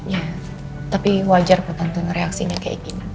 ya tapi wajar kok tonton reaksinya kayak gini